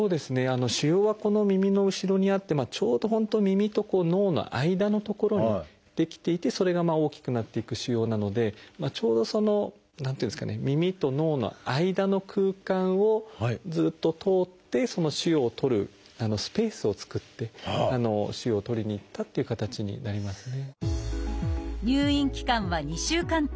腫瘍はこの耳の後ろにあってちょうど本当耳と脳の間の所に出来ていてそれが大きくなっていく腫瘍なのでちょうど何ていうんですかね耳と脳の間の空間をずっと通って腫瘍を取るスペースを作って腫瘍を取りに行ったっていう形になりますね。